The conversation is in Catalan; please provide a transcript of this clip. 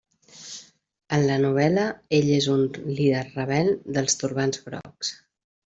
En la novel·la ell és un líder rebel dels Turbants Grocs.